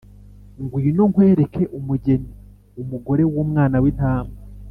“Ngwino nkwereke umugeni, umugore w’Umwana w’Intama.”